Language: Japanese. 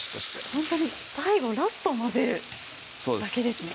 ホントに最後ラスト混ぜるだけですね。